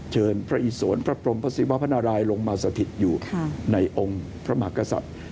เชิญพระอิสวนพระพรมพระศิวพนารายลงมาสถิตอยู่ในองค์พระมหากษัตริย์